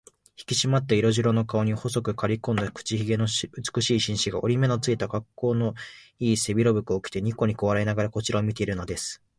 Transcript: ひきしまった色白の顔に、細くかりこんだ口ひげの美しい紳士が、折り目のついた、かっこうのいい背広服を着て、にこにこ笑いながらこちらを見ているのです。